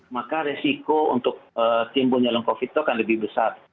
maka resiko untuk timbulnya long covid itu akan lebih besar